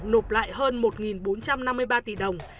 nộp lại hơn một bốn trăm năm mươi ba tỷ đồng